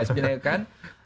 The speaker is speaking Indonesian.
ya misalnya kan